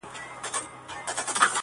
یو ګړی له وهمه نه سوای راوتلای٫